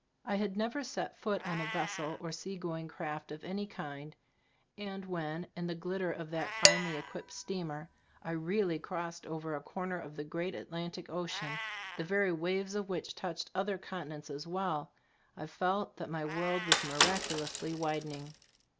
I had never set foot on a vessel or seagoing craft of any kind, and when, in the glitter of that finely equipped steamer, I really crossed over a corner of the great Atlantic ocean, the very waves of which touched other continents as well, I felt that my world was miraculously widening.